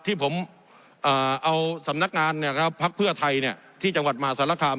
ที่ผมเอาสำนักงานพักเพื่อไทยที่จังหวัดมหาศาลคาม